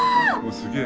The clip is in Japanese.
すげえ。